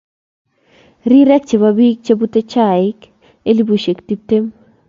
Rirek che bo biik chebute chaik elubushe tiptem.